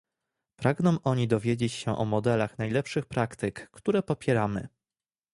Pragną oni dowiedzieć się o modelach najlepszych praktyk, które popieramy